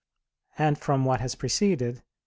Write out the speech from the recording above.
And from what has preceded (Q.